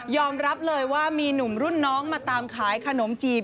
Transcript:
รับเลยว่ามีหนุ่มรุ่นน้องมาตามขายขนมจีน